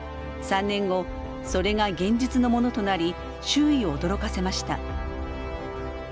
３年後それが現実のものとなり周囲を驚かせました。